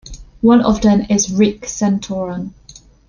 One of them is Rick Santorum.